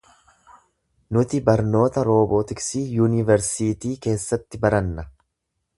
Nuti barnoota roobootiksii yunivarsiitii keessatti baranna.